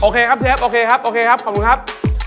ครับเชฟโอเคครับโอเคครับขอบคุณครับ